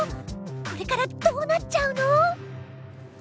これからどうなっちゃうの？